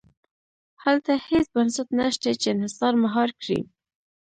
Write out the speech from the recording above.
هلته هېڅ بنسټ نه شته چې انحصار مهار کړي.